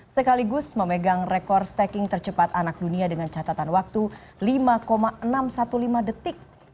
sekaligus memegang rekor stacking tercepat anak dunia dengan catatan waktu lima enam ratus lima belas detik